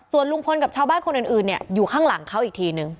ส่วนลุงพลกับชาวบ้านคนอื่นเนี่ยอยู่ข้างหลังเขาอีกทีนึง